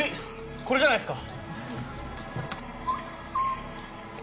これじゃないっすか？